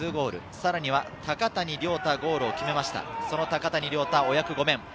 さらに高谷遼太、ゴールを決めました高谷遼太お役御免。